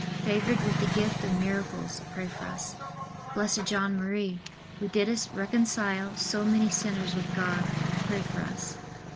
favored with the gift of miracles, pray for us. B. J. M., who didst reconcile so many sinners with God, pray for us.